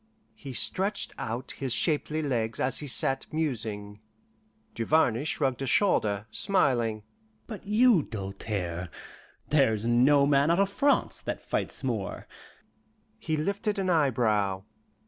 He stretched out his shapely legs as he sat musing. Duvarney shrugged a shoulder, smiling. "But you, Doltaire there's no man out of France that fights more." He lifted an eyebrow.